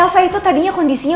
elsa itu tadinya kondisi nya